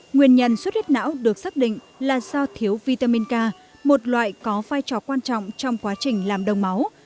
nguyên nhân suất huyết não được xác định là do thiếu vitamin k một loại có vai trò quan trọng trong quá trình làm đông máu